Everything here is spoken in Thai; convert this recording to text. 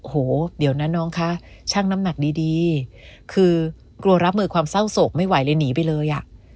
โหเดี๋ยวนะน้องคะช่างน้ำหนักดีคือกลัวรับมือความเศร้าโศกไม่ไหวเลยหนีไปเลยอ่ะ